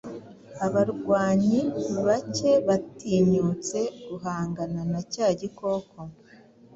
Abarwanyi bake batinyutse guhangana na cya gikoko